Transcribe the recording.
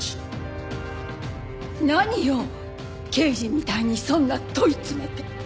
何よ刑事みたいにそんな問い詰めて。